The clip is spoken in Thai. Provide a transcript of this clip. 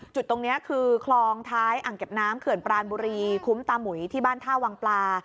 จุดตรงนี้คือคลองท้ายอ่างเก็บน้ำเขื่อนปรานบุรีคุ้มตามุยที่บ้านท่าวังปลา